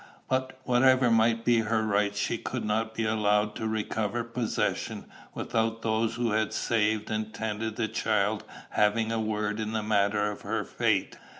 But, whatever might be her rights, she could not be allowed to recover possession, without those who had saved and tended the child having a word in the matter of her fate.